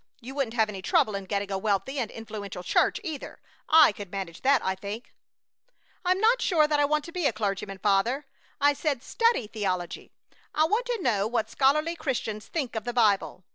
You wouldn't have any trouble in getting a wealthy and influential church, either. I could manage that, I think." "I'm not sure that I want to be a clergyman, father. I said study theology. I want to know what scholarly Christians think of the Bible.